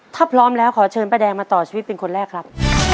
ถ้าพร้อมแล้วขอเชิญป้าแดงมาต่อชีวิตเป็นคนแรกครับ